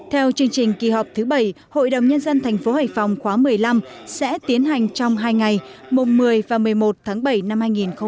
theo chương trình kỳ họp thứ bảy hội đồng nhân dân thành phố hải phòng khóa một mươi năm sẽ tiến hành trong hai ngày mùng một mươi và một mươi một tháng bảy năm hai nghìn hai mươi